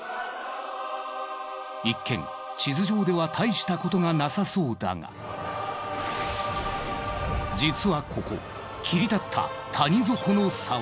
一見地図上ではたいしたことがなさそうだが実はここ切り立った谷底の沢。